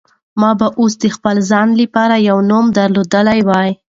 ما به اوس د خپل ځان لپاره یو نوم درلودلی وای.